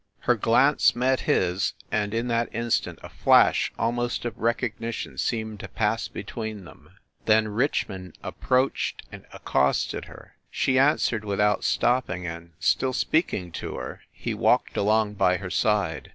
Her glance met his, and in that instant a flash almost of recognition seemed to pass between them. Then Richmond approached and accosted her. She an swered without stopping, and, still speaking to her, he walked along by her side.